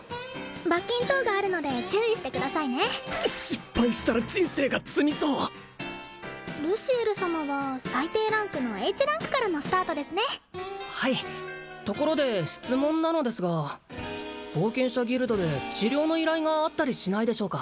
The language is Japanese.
罰金等があるので注意してくださいね失敗したら人生が詰みそうルシエル様は最低ランクのＨランクからのスタートですねはいところで質問なのですが冒険者ギルドで治療の依頼があったりしないでしょうか？